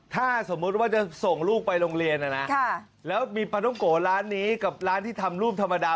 ถ้าสมมุติว่าจะส่งลูกไปโรงเรียนนะนะแล้วมีปลาท้องโกะร้านนี้กับร้านที่ทำรูปธรรมดา